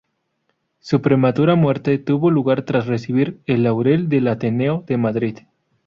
Su prematura muerte tuvo lugar tras recibir el laurel del Ateneo de Madrid.